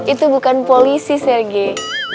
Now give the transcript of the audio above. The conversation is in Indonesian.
itu bukan polisi sergei